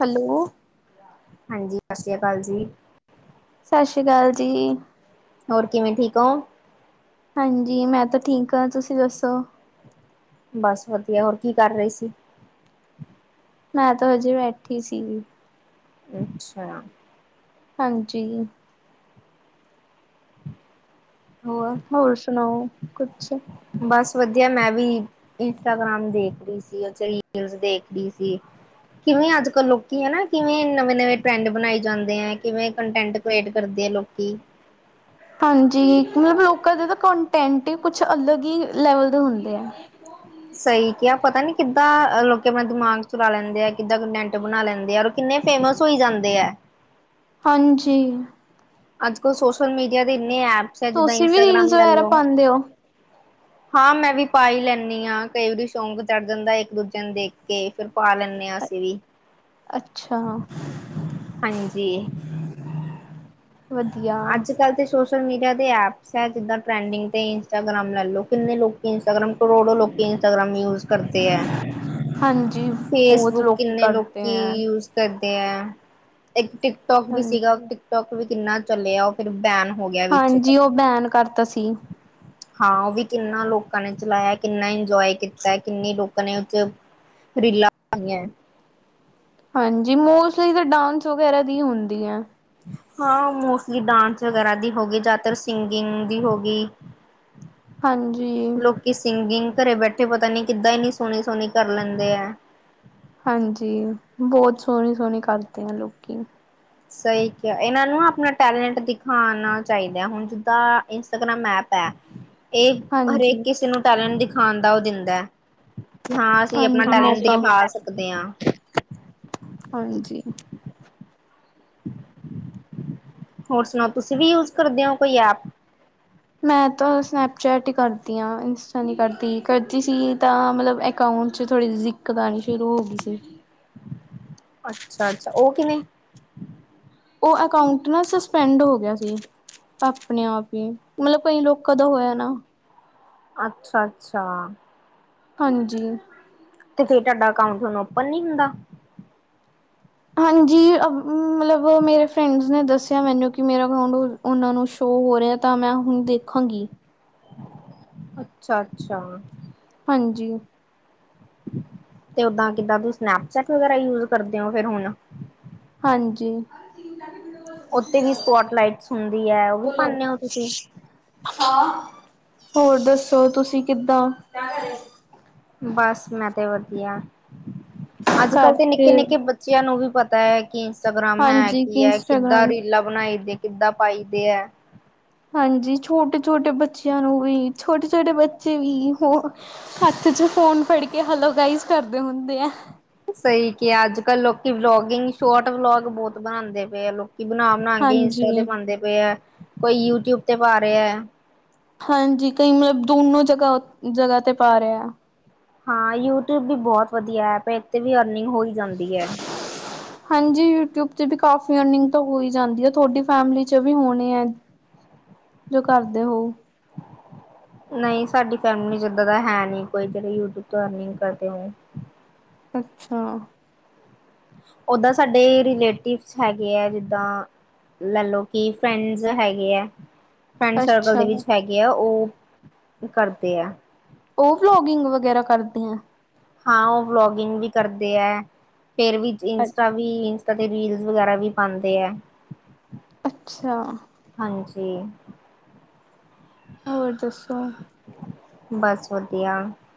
Hello. ਹਾਂਜੀ ਸਸ ਸ੍ਰੀ ਕਾਲ ਜੀ। ਸਸ ਸ੍ਰੀ ਕਾਲ ਜੀ। ਹੋਰ ਕਿਵੇਂ ਠੀਕ ਹੋ। ਹਾਂਜੀ ਮੈਂ ਤਾਂ ਠੀਕ ਹਾਂ ਤੁਸੀਂ ਦੱਸੋ? ਬਸ ਵਧੀਆ ਹੋਰ ਕੀ ਕਰ ਰਹੇ ਸੀ? ਮੈਂ ਤਾਂ ਹਜੇ ਬੈਠੀ ਸੀਗੀ। ਅੱਛਾ। ਹਾਂਜੀ। ਹੋਰ ਸੁਣਾਓ ਕੁਝ। ਬਸ ਵਧੀਆ ਮੈਂ ਵੀ ਇੰਸਟਾਗ੍ਰਾਮ ਦੇਖ ਰਹੀ ਸੀ ਉੇ ਚ ਰੀਲਸ ਦੇਖ ਰਹੀ ਸੀ। ਕਿਵੇਂ ਅੱਜ ਕੱਲ੍ਹ ਲੋਕੀ ਹਨਾਂ ਕਿਵੇਂ ਨਵੇਂ-ਨਵੇਂ ਟਰੈਂਡ ਬਣਾਏ ਜਾਂਦੇ ਹੈ ਕਿਵੇਂ ਕੰਟੈਂਟ ਵੇਟ ਕਰਦੇ ਆ ਲੋਕੀ। ਹਾਂਜੀ ਮਤਲਬ ਲੋਕਾ ਦੇ ਤਾਂ ਕੰਟੈਂਟ ਹੀ ਕੁਝ ਅਲੱਗ ਹੀ ਲੈਵਲ ਦੇ ਹੁੰਦੇ ਆ। ਸਹੀ ਕਿਹਾ ਪਤਾ ਨੀ ਕਿੱਦਾ ਲੋਕੀ ਆਪਣਾ ਦਿਮਾਗ ਚਲਾ ਲੈਂਦੇ ਆ ਕਿੱਦਾਂ ਕੰਟੈਂਟ ਬਣਾ ਲੈਂਦੇ ਔਰ ਕਿੰਨੇ ਫੇਮਸ ਹੋਈ ਜਾਂਦੇ ਹੈ। ਹਾਂਜੀ। ਅੱਜ ਕੱਲ ਸੋਸ਼ਲ ਮੀਡੀਆ ਦੇ ਇੰਨੇ ਐਪ ਤੁਸੀਂ ਵੀ ਰੀਲਸ ਵਗੈਰਾ ਪਾਉਂਦੇ ਹੋ? ਹਾਂ ਮੈਂ ਵੀ ਪਾ ਹੀ ਲੈਂਦੀ ਹਾਂ ਕਈ ਵਾਰੀ ਸ਼ੌਂਕ ਚੜ ਜਾਂਦਾ ਇੱਕ ਦੂਜੇ ਨੂੰ ਦੇਖ ਕੇ। ਫਿਰ ਪਾ ਲੈਨੇ ਹਾ ਅਸੀ ਵੀ। ਅੱਛਾ ਹਾਂਜੀ ਵਧੀਆ। ਕੱਲ ਤੇ ਸੋਸ਼ਲ ਮੀਡੀਆ ਦੇ ਐਪਸ ਹੈ ਜਿੱਦਾਂ ਟਰੈਂਡਿੰਗ ਤੇ ਇੰਸਟਾਗ੍ਰਾਮ ਲੈ ਲਓ ਕਿੰਨੇ ਲੋਕ ਇੰਸਟਾਗ੍ਰਾਮ ਕਰੋੜੋ ਲੋਕ ਇੰਸਟਾਗ੍ਰਾਮ ਯੂਜ ਕਰਦੇ ਹੈ। ਹਾਂਜੀ, ਬਹੁਤ ਫੇਸਬੁੱਕ ਲੋਕੀ ਕਿੰਨੇ ਕਰਦੇ ਲੋਕੀ ਹੈ। ਯੂਜ ਕਰਦੇ ਹੈ ਇੱਕ ਟਿਕਟੋਕ ਵੀ ਸੀਗਾ ਹਾਂਜੀ। ਟਿਕਟੋਕ ਵੀ ਕਿੰਨਾ ਚੱਲਿਆ। ਫੇਰ ਬੈਨ ਹੋ ਗਿਆ। ਵਿੱਚ ਹਾਂਜੀ ਉਹ ਬੈਨ ਕਰਤਾ ਸੀ। ਹਾਂ, ਉਹ ਵੀ ਕਿੰਨਾ ਲੋਕਾਂ ਨੇ ਚਲਾਇਆ, ਕਿੰਨਾ ਇੰਜੋਏ ਕੀਤਾ, ਕਿੰਨੇ ਲੋਕਾਂ ਨੇ ਉਹ ਰੀਲਾਾਂ ਪਾਈਆਂ। ਹਾਂਜੀ, ਮੋਸਟਲੀ ਤਾਂ ਡਾਂਸ ਵਗੈਰਾ ਦੀ ਹੁੰਦੀ ਹੈ। ਹਾਂ, ਮੋਸਟਲੀ ਡਾਂਸ ਵਗੈਰਾ ਦੀ ਹੋ ਗਈ ਜ਼ਿਆਦਾਤਰ ਸਿੰਗਿੰਗ ਦੀ ਹੋ ਗਈ। ਹਾਂਜੀ। ਕਿ ਸਿੰਗਿੰਗ ਘਰੇ ਬੈਠੇ ਪਤਾ ਨੀ ਕਿੱਦਾਂ ਇੰਨੀ ਸੋਹਣੀ-ਸੋਹਣੀ ਕਰ ਲੈਂਦੇ ਆ। ਹਾਂਜੀ ਬਹੁਤ ਸੋਹਣੀ-ਸੋਹਣੀ ਕਰਦੇ ਹਾਂ ਲੋਕੀ। ਸਹੀ ਕਿਹਾ ਇਹਨਾਂ ਨੂੰ ਆਪਣਾ ਟੈਲੈਂਟ ਦਿਖਾਉਣਾ ਚਾਹੀਦਾ ਹੁਣ ਜਿੱਦਾਂ ਇੰਸਟਾਗ੍ਰਾਮ ਐਪ ਇਹ ਹਰੇਕ ਹਾਂਜੀ, ਕਿਸੇ ਨੂੰ ਟੈਲੈਂਟ ਦਿਖਾਉਣ ਦਾ ਉਹ ਦਿੰਦਾ। ਕਿ ਹਾਂ ਅਸੀਂ ਆਪਣਾ ਹਾਂਜੀ ਮੈਂ ਟੈਲੈਂਟ ਤਾਂ ਦਿਖਾ ਸਕਦੇ ਹਾਂ। ਹਾਂਜੀ। ਹੋਰ ਸੁਣਾਓ ਤੁਸੀਂ ਵੀ ਯੂਜ ਕਰਦੇ ਹੋ ਕੋਈ ਐਪ? ਮੈਂ ਤਾਂ ਸਨੈਪਚੈਟ ਹੀ ਕਰਦੀ ਹਾਂ, ਇੰਸਟਾ ਨਹੀਂ ਕਰਦੀ, ਕਰਦੀ ਸੀ ਤਾਂ ਮਤਲਬ ਅਕਾਊਂਟ ਚ' ਥੋੜ੍ਹੀਹੀ ਦਿੱਕਤ ਆਉਣੀ ਸ਼ੁਰੂ ਹੋ ਗਈ ਸੀ। ਅੱਛਾ-ਅੱਛਾ ਉਹ ਕਿਵੇਂ? ਉਹ ਅਕਾਊਂਟ ਨਾ ਸਸਪੈਂਡ ਹੋ ਗਿਆ ਸੀ। ਆਪਣੇ ਆਪ ਹੀ, ਮਤਲਬ ਕਈ ਲੋਕਾਂ ਦਾ ਹੋਇਆ ਨਾ। ਅੱਛਾ-ਅੱਛਾ। ਹਾਂਜੀ। ਤੇ ਫੇਰ ਤੁਹਾਡਾ ਅਕਾਊਂਟ ਹੁਣ ਓਪਨ ਨ ਨਹੀਂ ਹੁੰਦਾ। ਹਾਂਜੀ। ਮਤਲਬ ਮੇਰੇ ਫਰੈਂਡਸ ਨੇ ਦੱਸਿਆ ਮੈਨੂੰ ਕਿ ਮੇਰਾ ਅਕਾਊਂਟ ਉਹਨਾਂ ਨੂੰ ਸ਼ੋਅ ਹੋ ਰਿਹਾ ਤਾਂ ਮੈਂ ਹੁਣ ਦੇਖਾਂਗੀ। ਅੱਛਾ-ਅੱਛਾ। ਹਾਂਜੀ। ਤੇ ਓਦਾਂ ਕਿਦਾਂ ਤੁਸੀ ਸਨੈਪਚੈਟ ਵਗੈਰਾ ਯੂਜ ਕਰਦੇ ਹੋ ਫਿਰ ਹੁਣ। ਹਾਂਜੀ। ਉੱਥੇ ਵੀ ਸਪੋਟ ਲਾਈਟਸ ਹੁੰਦੀ ਹੈ। ਉਹ ਵੀ ਪਾਂਦੇ ਹੋ ਤੁਸੀਂ? ਹੋਰ ਦੱਸੋ, ਤੁਸੀਂ ਕਿੱਦਾਂ? ਬਸ ਮੈਂ ਤੇ ਵਧੀਆ, ਅੱਜ ਘਰ ਕੱਲ ਦੇ ਚ ਨਿੱਕੇ- ਨਿੱਕੇ ਬੱਚਿਆਂ ਨੂੰ ਵੀ ਪਤਾ ਹੈ। ਕੀ ਇੰਸਟਾਗ੍ਰਾਮ ਹੈ ਹਾਂਜੀ ਕਿ ਕੀ ਹੈ, ਕਿੱਦਾਂ ਇੰਸਟਾਗ੍ਰਾਮ ਰੀਲਾਂ ਬਣਾਈ ਦੀਆ ਕਿੱਦਾਂ ਪਾਈ ਦੇ ਹੈ। ਹਾਂਜੀ। ਛੋਟੇ- ਛੋਟੇ ਬੱਚਿਆਂ ਨੂੰ ਵੀ, ਛੋਟੇ- ਛੋਟੇ ਬੱਚੇ ਵੀ ਉਹ ਹੱਥ ਚ' ਫ਼ੋਨ ਫੜਕੇ ਹੇਲੋ ਗਾਈਜ਼ ਕਰਦੇ ਹੁੰਦੇ ਆ। ਸਹੀ ਕਿਹਾ, ਅੱਜ -ਕੱਲ੍ਹ ਲੋਕੀ ਵਲੋਗਿੰਗ, ਸ਼ੋਰਟ ਵਲੋਗ ਬਹੁਤ ਬਣਾਉਂਦੇ ਪਏ ਆ ਲੋਕ ਕੀ ਬਣਾ ਬਣਾਕੇ ਇੰਸਟਾ ਤੇ ਹਾਂਜੀ। ਪਾਉਂਦੇ ਪਏ ਹੈ, ਕੋਈ ਯੂਟਿਊਬ ਤੇ ਪਾ ਰਿਹਾ ਹੈ। ਹਾਂਜੀ ਕਈ ਮਤਲਬ ਦੋਨੋ ਜਗ੍ਹਾ, ਜਗ੍ਹਾ ਤੇ ਪਾ ਰਿਹਾ ਆ। ਹਾਂ ਯੂਟਿਊਬ ਵੀ ਬਹੁਤ ਵਧੀਆ ਐਪ ਹੈ, ਇੱਥੇ ਵੀ ਅਰਨਿੰਗ ਹੋਈ ਜਾਂਦੀ ਹੈ। [inaudible] ਹਾਂਜੀ ਯੂਟਿਊਬ ਤੇ ਵੀ ਕਾਫੀ ਅਰਨਿੰਗ ਤਾਂ ਹੋਈ ਜਾਂਦੀ ਆ ਤੁਹਾਡੀ ਫੈਮਲੀ 'ਚ ਵੀ ਹੋਣੇ ਹੈ। ਜੋ ਕਰਦੇ ਹੋ। ਨਹੀਂ ਸਾਡੀ ਫੈਮਿਲੀ 'ਚ ਇਦਾਂ ਦਾ ਹੈ ਨੀ ਕੋਈ, ਜਿਹੜੇ ਯੂਟਿਊਬ ਤੋਂ ਅਰਨਿੰਗ ਕਰਦੇ ਹੋ। ਅੱਛਾ। ਓਦਾਂ ਸਾਡੇ ਰਿਲੇਟਿਵਸ ਹੈਗੇ ਆ, ਜਿੱਦਾਂ ਲੈ ਲਓ, ਕਿ ਫਰੈਂਡਸ ਹੈਗੇ ਹੈ। ਫਰੈਂਡ ਸਰਕਲ ਅੱਛਾ ਦੇ ਵਿੱਚ ਹੈਗੇ ਆ, ਉਹ ਕਰਦੇ ਆ। ਉਹ ਵਲੋਗਿੰਗ ਵਗੈਰਾ ਕਰਦੀ ਆ। ਹਾਂ ਉਹ ਵਲੋਗਿੰਗ ਵੀ ਕਰਦੇ ਹੈ, ਫਿਰ ਵੀ ਅੱ ਇੰਸਟਾ ਵੀ ਕਦੇ ਰੀਲਜ਼ ਵਗੈਰਾ ਵੀ ਪਾਉਂਦੇ ਹੈ। ਅੱਛਾ। ਹਾਂਜੀ। ਹੋਰ ਦੱਸੋ? ਬਸ ਵਧੀਆ,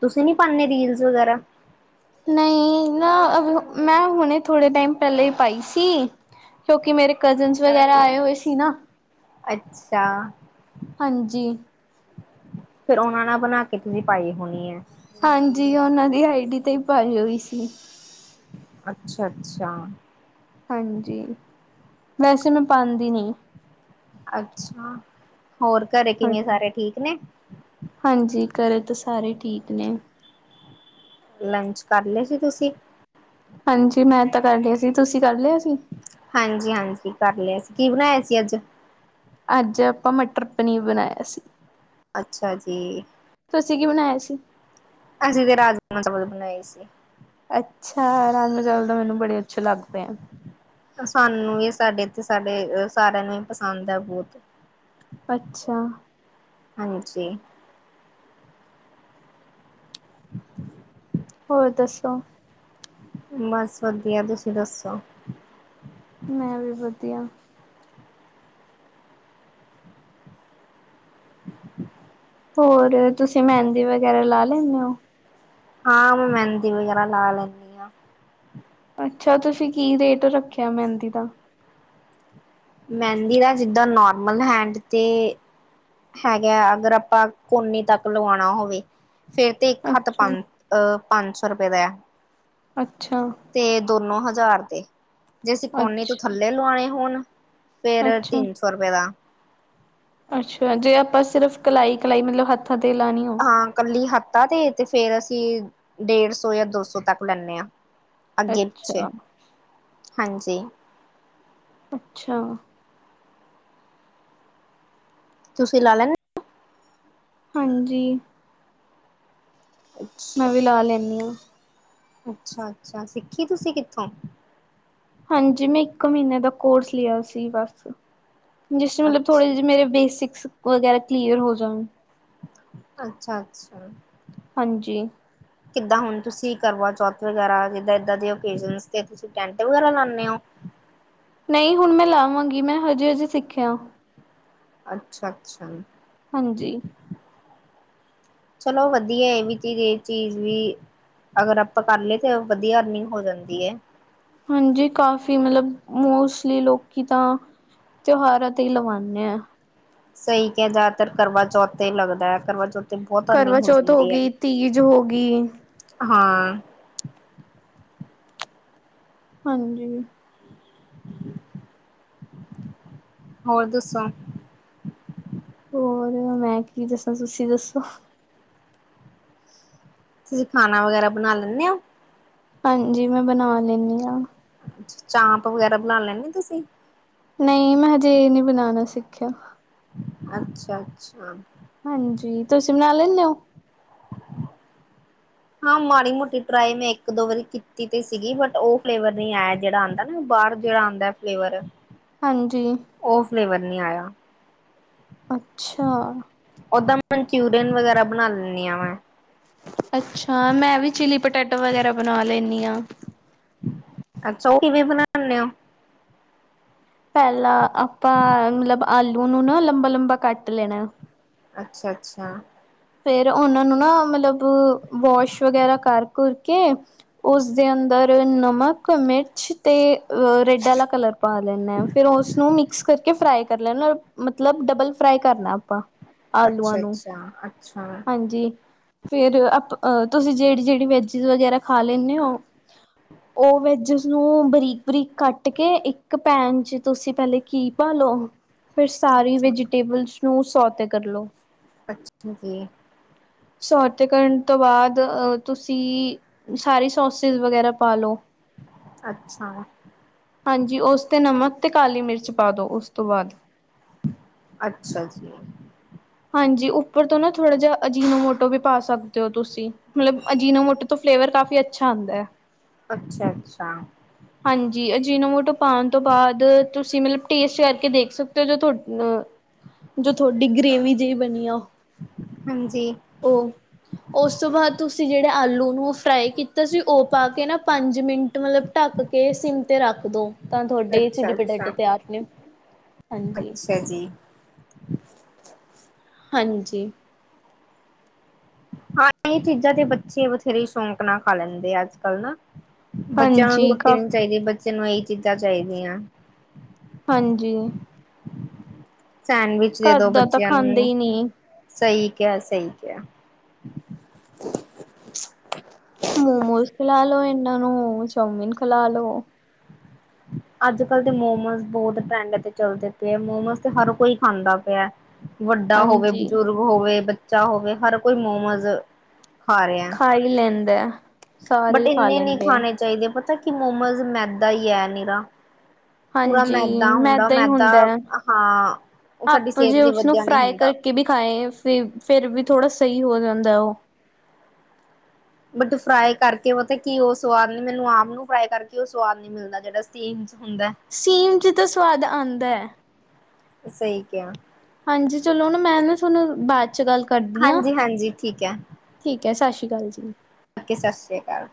ਤੁਸੀਂ ਨੀ ਪਾਉਨੇ ਰੀਲਸ ਵਗੈਰਾ? ਨਹੀਂ ਨਾ ਅਹ ਮੈਂ ਹੁਣੇ ਥੋੜ੍ਹੇ ਟਾਈਮ ਪਹਿਲੇ ਹੀ ਪਾਈ ਸੀ। ਕਿਉਂਕਿ ਮੇਰੇ ਕਜ਼ਨਸ ਵਗੈਰਾ ਆਏ ਹੋਏ ਸੀ ਨਾ। ਅੱਛਾ ਹਾਂਜੀ ਫਿਰ ਉਹਨਾ ਨਾਲ ਬਣਾ ਕੇ ਤੁਸੀਂ ਪਾਈ ਹੋਣੀ ਹੈ। ਹਾਂਜੀ, ਉਹਨਾਂ ਦੀ ਆਈ ਡੀ ਤੇ ਹੀ ਪਾਈ ਹੋਈ ਸੀ। ਅੱਛਾ-ਅੱਛਾ। ਹਾਂਜੀ, ਵੈਸੇ ਮੈਂ ਪਾਂਦੀ ਨੀ। ਅੱਛਾ, ਹੋਰ ਘਰੇ ਕਿਵੇਂ ਹਾਂਜੀ। ਸਾਰੇ ਠੀਕ ਨੇ। ਹਾਂਜੀ, ਘਰੇ ਤਾਂ ਸਾਰੇ ਠੀਕ ਨੇ। ਲੰਚ ਕਰ ਲਏ ਸੀ ਤੁਸੀਂ? ਹਾਂਜੀ ਮੈਂ ਤਾਂ ਕਰ ਲਿਆ ਸੀ। ਤੁਸੀਂ ਕਰ ਲਿਆ ਸੀ? ਹਾਂਜੀ-ਹਾਂਜੀ ਕਰ ਲਿਆ ਸੀ। ਕੀ ਬਣਾਇਆ ਸੀ ਅੱਜ? ਅੱਜ ਆਪਾਂ ਮਟਰ ਪਨੀਰ ਬਣਾਇਆ ਸੀ। ਅੱਛਾ ਜੀ। ਤੁਸੀਂ ਕੀ ਬਣਾਇਆ ਸੀ? ਅਸੀਂ ਤੇ ਰਾਜਮਾ ਚਾਵਲ ਬਣਾਏ ਸੀ। ਅੱਛਾ, ਰਾਜਮਾ ਚਾਵਲ ਤਾਂ ਮੈਨੂੰ ਬੜੇ ਅੱਛੇ ਲੱਗਦੇ ਆ। ਸਾਨੂੰ ਵੀ ਸਾਡੇ ਏਥੇ, ਸਾਡੇ ਸਾਰਿਆਂ ਨੂੰ ਹੀ ਪਸੰਦ ਹੈ ਬਹੁਤ। ਅੱਛਾ। ਹਾਂਜੀ। ਹੋਰ ਦੱਸੋ? ਬਸ, ਵਧੀਆ ਤੁਸੀਂ ਦੱਸੋ? ਮੈਂ ਵੀ ਵਧੀਆ। ਹੋਰ, ਤੁਸੀਂ ਮਹਿੰਦੀ ਵਗੈਰਾ ਲਾ ਲੈਨੇ ਓ? ਹਾਂ, ਮੈਂ ਮਹਿੰਦੀ ਵਗੈਰਾ ਲਾ ਲੈੈਂਨੀ। ਅੱਛਾ, ਤੁਸੀਂ ਕੀ ਰੇਟ ਰੱਖਿਆ ਮਹਿੰਦੀ ਦਾ? ਮਹਿੰਦੀ ਦਾ, ਜਿੱਦਾਂ ਨੋਰਮਲ ਹੈਂਡ 'ਤੇ ਹੈਗਾ ਅਗਰ ਆਪਾਂ ਕੋਨੀੇ ਤੱਕ ਲਵਾਉਣਾ ਹੋਵੇ, ਫੇਰ ਤੇ ਇਕ ਹੱਥ ਅੱਛਾ, ਪੰਜ ਅਹ, ਪੰਜ ਸੌ ਰੁਪਏ ਦਾ ਹੈ। ਅੱਛਾ, ਤੇ ਦੋਨੋ ਹਜ਼ਾਰ ਦੇ, ਜੇ ਅਸੀ ਕੋੋਹਨੀ ਤੋਂ ਅੱਛਾ, ਥੱਲੇ ਲਵਾਣੇ ਹੋਣ ਫੇਰ ਅੱਛਾ। ਤਿੰਨ ਸੌ ਰੁਪਏ ਦਾ। ਅੱਛਾ, ਜੇ ਆਪਾਂ ਸਿਰਫ਼ ਕਲਾਈ-ਕਲਾਈ, ਮਤਲਬ ਹੱਥਾਂ ਤੇ ਲਾਉਣੀ ਹੋਵੇ? ਕੱਲੀ ਹੱਥਾ ਤੇ, ਤੇ ਫੇਰ ਅਸੀਂ ਡੇਢ ਸੌ ਜਾਂ ਦੋ ਸੌ ਤੱਕ ਲੈਂਦੇ ਹਾਂ। ਅੱਗੇ ਪਿੱਛੇ, ਅੱਛਾ, ਹਾਂਜੀ। ਅੱਛਾ ਤੁਸੀਂ ਲਾ ਲੈਦੇ। ਹਾਂਜੀ ਅੱਛਾ ਨੂੰ ਲਾ ਲੈਂਦੀ ਹਾਂ। ਅੱਛਾ ਅੱਛਾ ਸਿੱਖੀ ਤੁਸੀਂ ਕਿੱਥੋਂ ਹਾਂਜੀ ਮੈਂ ਇੱਕ ਮਹੀਨੇ ਦਾ ਕੋਰਸ ਲਿਆ ਸੀ ਬਸ। ਮੇਰੇ ਸਕੂਲ ਥੋੜੇ ਅੱਛਾ ਜਿਹੇ ਮੇਰੇ ਬੇਸਿਕਸ ਵਗੈਰਾ ਕਲੀਅਰ ਹੋ ਜਾਣ। ਅੱਛਾ ਅੱਛਾ ਹਾਂਜੀ ਕਿੱਦਾਂ ਹੁਣ ਤੁਸੀਂ ਕਰਵਾ ਚੌਥ ਵਗੈਰਾ ਜਿੱਦਾਂ ਇੱਦਾਂ ਦੇ ਓਕੇਜਨ ਤੇ ਤੁਸੀਂ ਟੈਂਟ ਵਗੈਰਾ ਲਾਉਂਦੇ ਹੋ। ਨਹੀਂ ਹੁਣ ਮੈਂ ਲਾਵਾਂਗੀ ਮੈਂ ਹਜੇ ਹਜੇ ਸਿੱਖਿਆ। ਅੱਛਾ ਅੱਛਾ ਹਾਂਜੀ ਚਲੋ ਵਧੀਆ ਏ ਗਏ ਚੀਜ਼ ਵੀ ਅਗਰ ਆਪਾਂ ਕਰ ਲਏ ਤਾਂ ਵਧੀਆ ਅਰਨਿੰਗ ਹੋ ਜਾਂਦੀ ਹੈ। ਹਾਂਜੀ ਕਾਫੀ ਮਤਲਬ ਮੋਸਟਲੀ ਲੋਕੀ ਤਾਂ ਤਿਉਹਾਰਾਂ ਤੇ ਹੀ ਲਵਾਉਂਨੇ ਹਾਂ ਸਹੀ ਕਿਹਾ ਜ਼ਿਆਦਾਤਰ ਕਰਵਾ ਚੌਥ ਲੱਗਦਾ ਹੈ ਕਰਵਾ ਚੌਥ ਤੇ ਬਹੁਤ ਕਰਵਾ ਅਰਨਿੰਗ ਹੋ ਚੌਥ ਜਾਂਦੀ ਆ, ਗਈ, ਤੀਜ ਹੋ ਗਈ, ਹਾਂ। ਹਾਂਜੀ। ਹੋਰ ਦੱਸੋ? ਹੋਰ ਮੈਂ ਕੀ ਦਸਾਂ ਤੁਸੀਂ ਦੱਸੋ? ਤੁਸੀਂ ਖਾਣਾ ਵਗੈਰਾ ਬਣਾ ਲੈਂਦੇ ਹੋ? ਹਾਂਜੀ ਮੈਂ ਬਣਾ ਲੈਂਦੀ ਹਾਂ। ਅੱ ਚਾਂਪ ਵਗੈਰਾ ਬਣਾ ਲੈਦੇ ਤੁਸੀਂ? ਨਹੀਂ ਮੈਂ ਹਜੇ ਇਹ ਨਹੀਂ ਬਣਾਉਣਾ ਸਿੱਖਿਆ। ਅੱਛਾ ਅੱਛਾ। ਹਾਂਜੀ ਤੁਸੀਂ ਬਣਾ ਲੈਂਦੇ ਹੋ। [inaudible] ਹਾਂ ਮਾੜੀ ਮੋਟੀ ਟਰਾਈ ਮੈਂ ਇੱਕ ਦੋ ਵਾਰੀ ਕੀਤੀ ਤੇ ਸੀਗੀ ਬਟ ਉਹ ਫਲੇਵਰ ਨਹੀਂ ਆਇਆ ਜਿਹੜਾ ਆਉਂਦਾ ਨਾ ਬਾਅਰ ਜਿਹੜਾ ਆਦਾ ਐ ਫਲੇਵਰ ਹਾਂਜੀ। ਓ ਫਲੇਵਰ ਨੀ ਆਇਆ। ਅੱਛਾ! ਓਦਾਂ ਮਨਚੂਰੀਅਨ ਵਗੈਰਾ ਬਣਾਨੀ ਆ ਮੈਂ। ਅੱਛਾ ਮੈਂ ਵੀ ਚਿਲੀ ਪਟੈਟੋ ਵਗੈਰਾ ਬਣਾ ਲੈਂਨੀ ਆ। ਅੱਛਾ ਓ ਕਿਵੇਂ ਵੀ ਬਣਾਨੇ ਓ। ਪਹਿਲਾਂ ਆਪਾਂ ਮਤਲਬ ਆਲੂ ਨੂੰ ਨਾ ਲੰਬਾ-ਲੰਬਾ ਕੱਟ ਲੈਣਾ। ਅੱਛਾ-ਅੱਛਾ। ਫੇਰ ਉਹਨਾਂ ਨੂੰ ਨਾ ਮਤਲਬ ਵਾਸ਼ ਵਗੈਰਾ ਕਰ ਕੁਰ ਕੇ ਉਸਦੇ ਅੰਦਰ ਨਮਕ, ਮਿਰਚ ਤੇ ਅਹ ਰੈਡ ਆਲਾ ਕਲਰ ਪਾ ਲੈਂਨੇ ਆ ਫੇਰ ਉਸਨੂੰ ਮਿਕਸ ਕਰ ਫਰਾਈ ਕਰ ਲੈਣਾ ਮਤਲਬ ਡਬਲ ਫਰਾਈ ਕਰਨਾ ਆਪਾਂ। ਅੱਛਾ-ਅੱਛਾ-ਅੱਛਾ। ਜੀ ਫਰ ਤੁਸੀਂ ਜਿਹੜੀ-ਜਿਹੜੀ ਵੈਜ ਵਗੈਰਾ ਖਾ ਲੈਂਨੇ ਓ? ਓ ਵੈਜ ਨੂੰ ਬਰੀਕ-ਬਰੀਕ ਕੱਟ ਕੇ ਇੱਕ ਪੈਨ ਚ ਤੁਸੀਂ ਪਹਿਲੇ ਘੀ ਪਾਲੋ। ਫਿਰ ਸਾਰੀ ਵੈਜੀਟੇਬਲਸ ਨੂੰ ਸੌ ਤੇ ਕਰਲੋ। [unintelligible] ਸੋਤੇ ਕਰਨ ਤੋ ਬਾਦ ਅ ਤੁਸੀ ਸਾਰੀ ਸੋਸਿਸ ਵਗੈਰਾ ਪਾ ਲਓ। ਅੱਛਾ। ਹਾਂਜੀ ਉਸ ਤੇ ਨਮਕ ਤੇ ਕਾਲੀ ਮਿਰਚ ਪਾ ਦੋ ਉਸ ਤੋਂ ਬਾਅਦ। ਅੱਛਾ ਜੀ। ਹਾਂਜੀ ਉੱਪਰ ਤੋਂ ਨਾ ਥੋੜ੍ਹਾ ਜਿਹਾ ਅਜੀਨੋ ਮੋਟੋ ਵੀ ਪਾ ਸਕਦੇ ਓ ਤੁਸੀਂ। ਮਤਲਬ ਅਜੀਨੋ ਮੋਟ ਤੋਂ ਫਲੇਵਰ ਕਾਫੀ ਅੱਛਾ ਆਦਾਂ ਐ। ਅੱਛਾ-ਅੱਛਾ। ਹਾਂਜੀ ਅਜੀਨੋ ਮੋਟੋ ਪਾਣ ਤੋਂ ਬਾਅਦ ਤੁਸੀਂ ਮਤਲਬ ਟੇਸਟ ਕਰਕੇ ਦੇਖ ਸਕਤੇ ਓ ਜੋ ਤੁ ਜੋ ਥੋਡੀ ਗ੍ਰੇਵੀ ਜਹੀ ਬਨੀ ਆ। ਹਾਂਜੀ। ਓ ਉਸ ਤੋਂ ਬਾਅਦ ਤੁਸੀਂ ਜਿਹੜੇ ਆਲੂ ਨੂੰ ਫਰਾਈ ਕੀਤਾ ਸੀ ਓ ਪਾ ਕੇ ਨਾ ਪੰਜ ਮਿੰਟ ਮਤਲਬ ਢੱਕ ਕੇ ਸਿੰਮ ਤੇ ਰੱਖ ਦੋ ਤਾਂ ਥੋਡੇ ਹੀ ਚਿੱਲੀ ਅੱਛਾ ਅੱਛਾ ਪਟੈਟੇ ਤਿਆਰ ਨੇ ਹਾਂਜੀ ਅੱਛਾ ਜੀ ਹਾਂਜੀ ਹਾਂ ਏ ਚੀਜ਼ਾਂ ਤੇ ਬੱਚੇ ਬਥੇਰੇ ਸ਼ੌਂਕ ਨਾ ਖਾ ਲੈਂਦੇ ਆ ਅੱਜ ਕੱਲ ਨਾ ਬੱਚਿਆਂ ਨੂੰ ਹਾਂਜੀ ਰੋਟੀ ਕਾ ਨੀ ਚਾਹੀਦੀ ਬੱਚਿਆਂ ਨੂੰ ਆਈ ਚੀਜ਼ਾਂ ਚਾਈਦੀਆਂ ਹਾਂਜੀ ਸੈਂਡਵਿਚ ਦੇ ਘਰ ਦੋ ਦਾ ਤਾਂ ਬੱਚਿਆਂ ਖਾਂਦੇ ਨੂੰ ਹੀ ਨਹੀਂ ਸਹੀ ਕਿਹਾ ਸਹੀ ਕਿਹਾ ਮੋਮੋਜ ਖਲਾਲੋ ਇਹਨਾਂ ਨੂੰ ਚਊਮੀਨ ਖਲਾਲੋ। ਅੱਜ-ਕੱਲ੍ਹ ਦੇ ਮੋਮੋਜ ਬਹੁਤ ਟਰੈਂਡ ਤੇ ਚੱਲਦੇ ਪਏ ਹੈ ਮੋਮੋਜ ਤੇ ਹਰ ਕੋਈ ਖਾਂਦਾ ਪਿਆ। ਵੱਡਾ ਹੋਵੇ, ਹਾਂਜੀ ਬਜ਼ੁਰਗ ਹੋਵੇ, ਬੱਚਾ ਹੋਵੇ ਹਰ ਕੋਈ ਮੋਮਜ਼ ਖਾ ਰਿਆ, ਹੀ ਲੈਂਦਾ ਸਾਰੇ ਬਟ ਹੀ ਖਾ ਇੰਨੇ ਨੀ ਲੈਂਦੇ ਆ ਖਾਣੇ ਚਾਈਦੇ ਪਤਾ ਕਿ ਮੋਮੋਜ਼ ਮੈਦਾ ਈ ਐ ਨਿਰਾ। ਪੂਰਾ ਹਾਂਜੀ ਮੈਦਾ ਹੁੰਦਾ ਮੈਂਦਾਂ ਈ ਮੈਦਾ ਹੁੰਦਾ ਐ, ਹਾਂ ਉਹ ਸਾਡੀ ਆਪਾ ਸਿਹਤ ਜੇ ਲਈ ਉਸਨੂੰ ਵਧੀਆ ਨਹੀਂ ਫਰਾਈ ਹੁੰਦਾ। ਕਰਕੇ ਕੇ ਵੀ ਖਾਏ ਫਿਰ-ਫਿਰ ਵੀ ਥੋੜ੍ਹਾ ਸਈ ਹੋ ਜਾਂਦਾ ਓ ਬਟ ਫਰਾਈ ਕਰਕੇ ਮਤਾਬ ਕੀ ਓ ਸਵਾਦ ਨੀ ਮੈਨੂੰ ਆਪ ਨੂੰ ਫਰਾਈ ਕਰਕੇ ਓ ਸਵਾਦ ਨ ਮਿਲਣਾ ਜਿਹੜਾ ਸਟੀਮ ਚ ਹੁੰਦਾਐ ਸੀਮ ਚ ਤਾਂ ਸਵਾਦ ਆਦਾ ਐ ਸਹੀ ਕਿਹਾਆ। ਹਾਂਜੀ ਚਲੋ ਨਾ ਮੈਂ ਨਾ ਥੋਨੂੰ ਬਾਦ ਚ ਗੱਲ ਕਰਦੀ ਆ ਹਾਂਜੀ-ਹਾਂਜੀ ਠੀਕ ਹੈ ਠੀਕ ਹੈ ਸਾਸੀ ਕਾਲ ਜੀ ਕੇ, ਸਤਿ ਸ਼੍ਰੀ ਅਕਾਲ